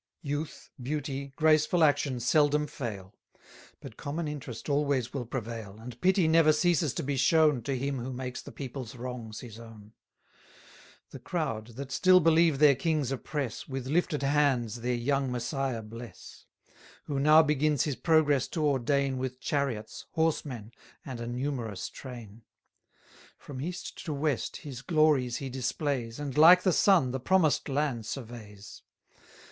Youth, beauty, graceful action seldom fail; But common interest always will prevail: And pity never ceases to be shown To him who makes the people's wrongs his own. The crowd, that still believe their kings oppress, With lifted hands their young Messiah bless: Who now begins his progress to ordain With chariots, horsemen, and a numerous train: 730 From east to west his glories he displays, And, like the sun, the promised land surveys.